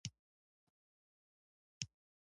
هغه د اواز پر څنډه ساکت ولاړ او فکر وکړ.